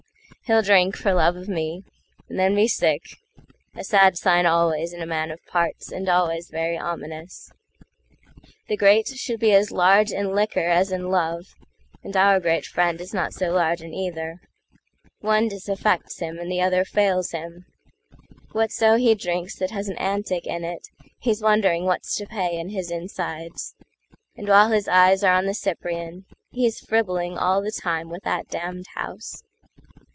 He'll drink, for love of me, and then be sick;A sad sign always in a man of parts, And always very ominous. The greatShould be as large in liquor as in love,—And our great friend is not so large in either:One disaffects him, and the other fails him; Whatso he drinks that has an antic in it, He's wondering what's to pay in his insides; And while his eyes are on the CyprianHe's fribbling all the time with that damned House.